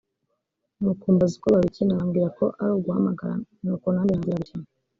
nuko mbaza uko babikina bambwira ko ari uguhamagara nuko nanjye ntangira gukina